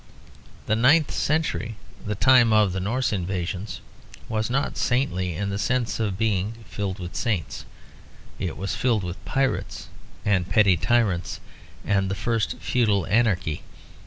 The ninth century, the time of the Norse invasions, was not saintly in the sense of being filled with saints; it was filled with pirates and petty tyrants, and the first feudal anarchy.